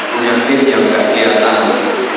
punya tim yang gak keliatan